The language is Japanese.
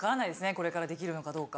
これからできるのかどうか。